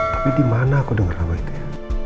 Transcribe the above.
tapi dimana aku denger nama itu ya